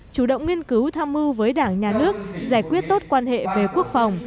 chủ động nghiên cứu tham mưu với đảng nhà nước giải quyết tốt quan hệ về quốc phòng